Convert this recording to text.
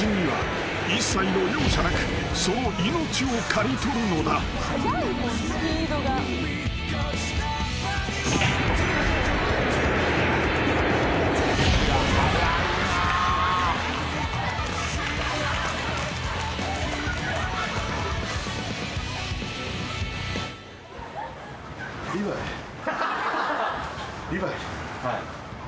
はい。